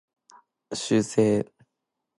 修正